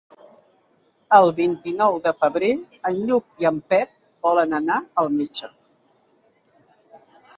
El vint-i-nou de febrer en Lluc i en Pep volen anar al metge.